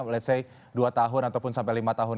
let's say dua tahun ataupun sampai lima tahun